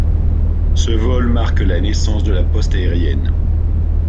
Ce vol marque la naissance de la poste aérienne.